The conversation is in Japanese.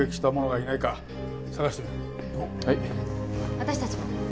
私たちも。